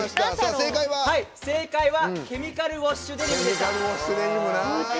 正解はケミカルウォッシュデニムでした。